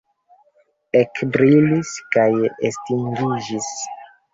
Ekbrilis kaj estingiĝis.